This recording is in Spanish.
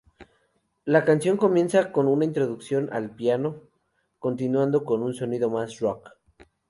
La canción comienza con una introducción al piano, continuando con un sonido más "rock".